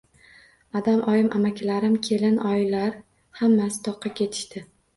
Adam oyim amakilarim kelin oyilar hammasi toqqa ketishdi.